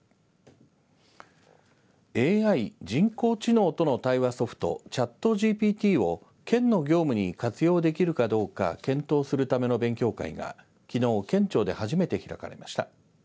ＡＩ、人工知能との対話ソフトチャットＧＰＴを県の業務に活用できるかどうか検討するための勉強会がきのう、県庁で初めて開かれました。